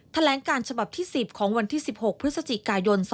ทะแหลงการฉบับที่๑๐ของวัน๑๖พก๒๕๕๘